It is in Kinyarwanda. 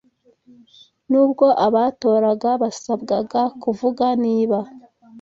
Nubwo abatoraga basabwaga kuvuga niba